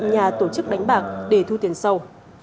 nhà tổ chức đánh bạc để thu tiền sâu